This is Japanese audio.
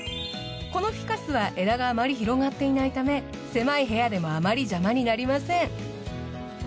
このフィカスは枝があまり広がっていないため狭い部屋でもあまり邪魔になりません。